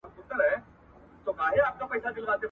لاس دي راکه چي مشکل دي کړم آسانه !.